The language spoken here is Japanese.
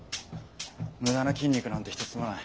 無駄な筋肉なんて一つもない。